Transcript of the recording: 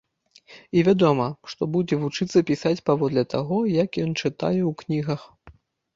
І вядома, што будзе вучыцца пісаць паводле таго, як ён чытае ў кнігах.